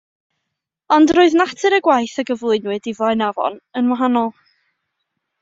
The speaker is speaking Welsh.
Ond roedd natur y gwaith a gyflwynwyd i Flaenafon yn wahanol.